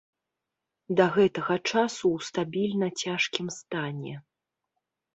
Да гэтага часу ў стабільна цяжкім стане.